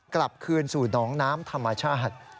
กลับคืนสู่หนองน้ำธรรมชาติ